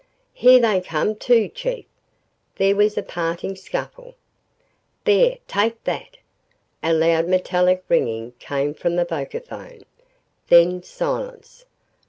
"Here they come, too, Chief!" There was a parting scuffle. "There take that!" A loud metallic ringing came from the vocaphone. Then, silence!